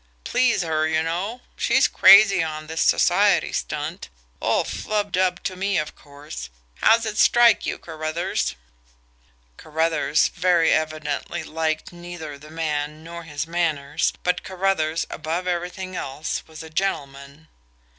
Please her, you know she's crazy on this society stunt all flubdub to me of course. How's it strike you, Carruthers?" Carruthers, very evidently, liked neither the man nor his manners, but Carruthers, above everything else, was a gentleman.